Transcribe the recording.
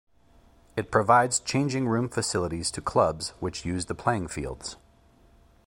It provides changing room facilities to clubs which use the playing fields.